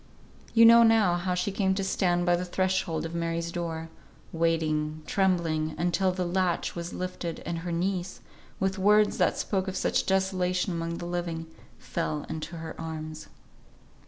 You know now how she came to stand by the threshold of Mary's door, waiting, trembling, until the latch was lifted, and her niece, with words that spoke of such desolation among the living, fell into her arms.